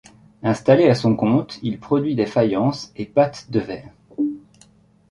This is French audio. Installé à son compte, il produit des faïences et pâtes de verre.